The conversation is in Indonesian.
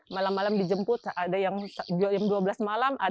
malam malam dijemput ada yang dua belas malam